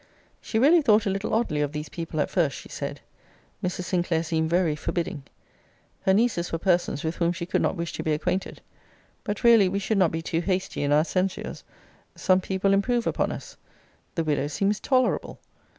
'She really thought a little oddly of these people at first, she said! Mrs. Sinclair seemed very forbidding! Her nieces were persons with whom she could not wish to be acquainted. But really we should not be too hasty in our censures. Some people improve upon us. The widow seems tolerable.'